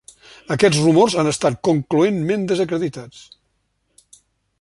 Aquests rumors han estat concloentment desacreditats.